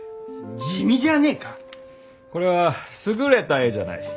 これは優れた絵じゃない。